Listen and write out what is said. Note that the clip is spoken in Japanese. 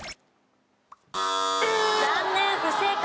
残念不正解。